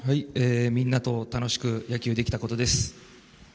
みんなと楽しく野球できたことです。